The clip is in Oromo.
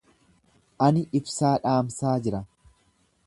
Ani ibsaa dhaamsaa jira.